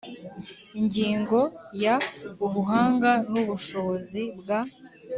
Ingingo ya ubuhanga n ubushobozi bwa